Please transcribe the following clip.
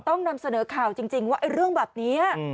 ต้องนำเสนอข่าวจริงว่าเรื่องแบบนี้